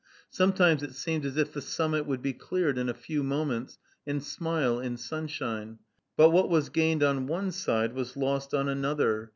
Sometimes it seemed as if the summit would be cleared in a few moments, and smile in sunshine; but what was gained on one side was lost on another.